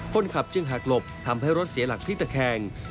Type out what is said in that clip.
คนขับจึงหักหลบทำให้รถเสียหลักพลิกตะแคง